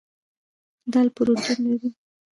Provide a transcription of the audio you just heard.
دال پروټین لري.